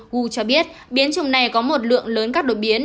who cho biết biến chủng này có một lượng lớn các đột biến